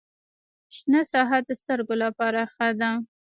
شنه ساحه د سترګو لپاره ښه ده